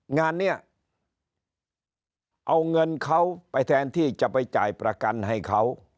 งานนี้เอาเงินเขาไปแทนที่จะไปจ่ายประกันให้เขา